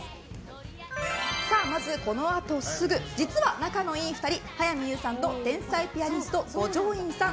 まず、このあとすぐ実は仲のいい２人早見優さんと天才ピアニスト五条院さん。